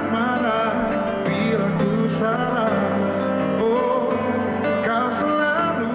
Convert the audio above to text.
tulus menjajal panggung luar negeri